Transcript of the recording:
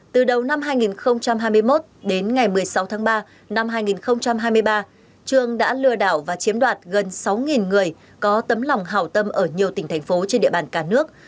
từ đầu năm hai nghìn hai mươi một đến ngày một mươi sáu tháng ba năm hai nghìn hai mươi ba trường đã lừa đảo và chiếm đoạt gần sáu người có tấm lòng hào tâm ở nhiều tỉnh thành phố trên địa bàn cả nước